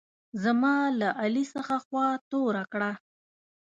زما له علي څخه خوا توره کړه.